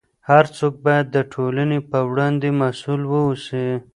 هر څوک باید د ټولنې په وړاندې مسؤل واوسي.